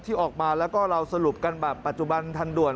ที่ออกมาแล้วก็เราสรุปกันแบบปัจจุบันทันด่วน